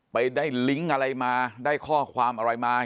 ไปได้ลิงก์อะไรมาได้ข้อความอะไรมา